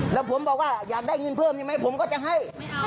แล้วผมบอกว่าอยากได้เงินเพิ่มใช่ไหมผมก็จะให้